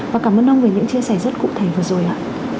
và cảm ơn ông về những chia sẻ rất cụ thể vừa rồi ạ